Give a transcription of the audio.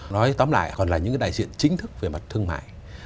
nói tóm lại còn là những cái đại diện chính thức về mặt thương mại